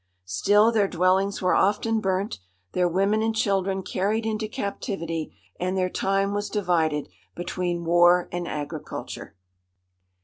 Still their dwellings were often burnt, their women and children carried into captivity, and their time was divided between war and agriculture.